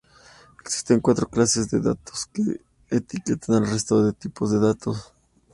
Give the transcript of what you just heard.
Existen cuatro clases de datos, que etiquetan al resto de tipos de datos.